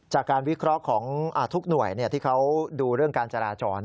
จากการวิเคราะห์ของทุกหน่วยที่เขาดูเรื่องการจราจร